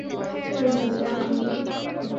কেউ জোর করে আনে নি।